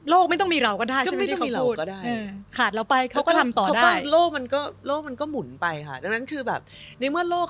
โลกไม่ต้องมีเราก็ได้ใช่ไหมที่เขาพูด